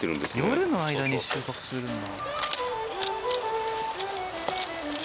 夜の間に収穫するんだ。